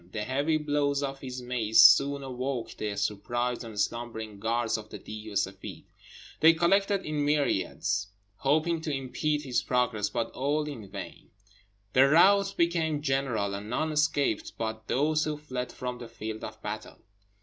The heavy blows of his mace soon awoke the surprised and slumbering guards of the Deev e Seffeed; they collected in myriads, hoping to impede his progress, but all in vain. The rout became general, and none escaped but those who fled from the field of battle.